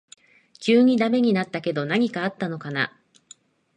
急にダメになったけど何かあったのかな